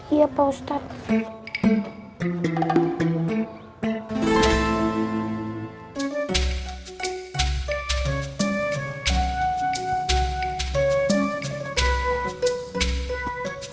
iya pak ustadz